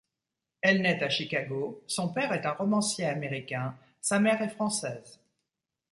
Elle naît à Chicago, son père est un romancier américain, sa mère est française.